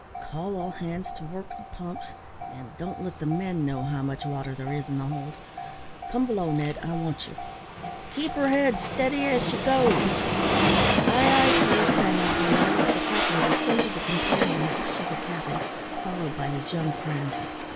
"Call all hands to work the pumps; and don't let the men know how much water there is in the hold. Come below, Ned. I want you. Keep her head steady as she goes." "Ay, ay, sir," sang out O'Neil, as the captain descended the companion hatch to the cabin, followed by his young friend.